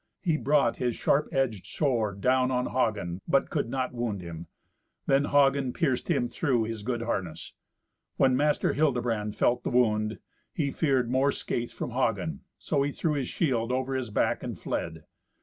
He brought his sharp edged sword down on Hagen, but could not wound him. Then Hagen pierced him through his good harness. When Master Hildebrand felt the wound, he feared more scathe from Hagen, so he threw his shield over his back and fled.